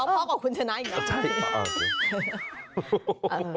ร้องพ่อกว่าคุณชนะอีกแล้ว